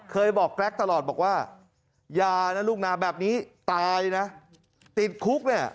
เคยบอกแกรกตลอดบอกว่าอย่านะลูกนะแบบนี้ตายนะติดคุกเนี่ย